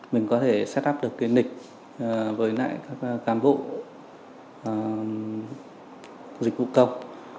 mình có thể set up được nịch với các cán vụ dịch vụ công